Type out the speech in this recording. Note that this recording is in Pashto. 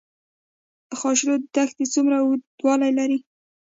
خاشرود دښتې څومره اوږدوالی لري؟